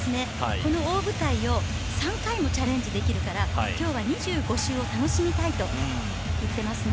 この大舞台を３回もチャレンジできるから今日は２５周を楽しみたいと言っていますね。